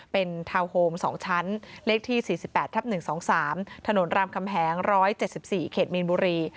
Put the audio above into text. เป็นทาวน์โฮม๒ชั้นเลขที่๔๘ทับ๑๒๓ถนนรามคำแหง๑๗๔เขตมีนบุรี